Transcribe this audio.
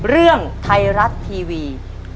เรื่องไทยรัฐทีวี